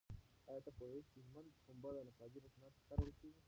ایا ته پوهېږې چې د هلمند پنبه د نساجۍ په صنعت کې کارول کېږي؟